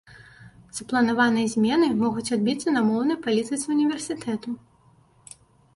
Запланаваныя змены могуць адбіцца на моўнай палітыцы ўніверсітэту.